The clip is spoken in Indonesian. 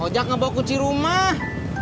ojak ngebawa kunci rumah